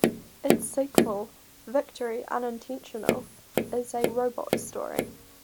Its sequel, "Victory Unintentional", is a robot story.